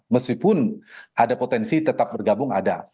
meskipun ada potensi tetap bergabung ada